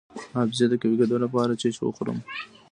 د حافظې د قوي کیدو لپاره باید څه شی وخورم؟